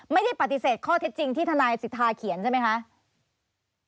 ไม่ได้ปฏิเสธข้อเท็จจริงที่ทนายสิทธาเขียนใช่ไหมคะ